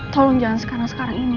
tolong jangan sekarang sekarang ini